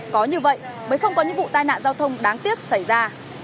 có như vậy mới không có những vụ tai nạn giao thông đáng tiếc xảy ra